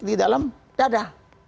di dalam dada